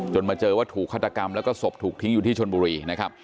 มาเจอว่าถูกฆาตกรรมแล้วก็ศพถูกทิ้งอยู่ที่ชนบุรีนะครับ